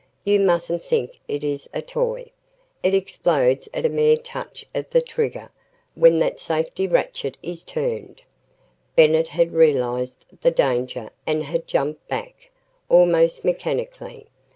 "You mustn't think it is a toy. It explodes at a mere touch of the trigger when that safety ratchet is turned." Bennett had realized the danger and had jumped back, almost mechanically.